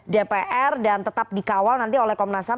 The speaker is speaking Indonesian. dpr dan tetap dikawal nanti oleh komnas ham